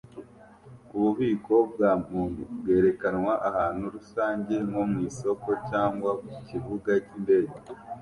"" Ububiko bwa Muntu "bwerekanwa ahantu rusange nko mu isoko cyangwa ku kibuga cyindege